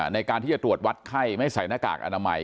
ในการที่จะตรวจวัดไข้ไม่ใส่หน้ากากอนามัย